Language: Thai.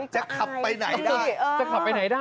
จะขับไปไหนได้